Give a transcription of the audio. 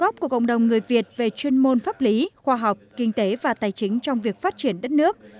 pháp lý khoa học kinh tế và tài chính trong việc phát triển đất nước